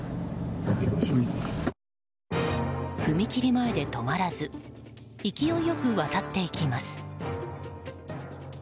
踏切前で止まらず勢いよく渡っていきます。